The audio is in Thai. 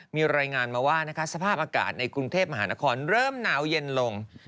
มีรายงานมาว่าสภาพอากาศในกรุงเทพมหานครเริ่มหนาวเย็นลง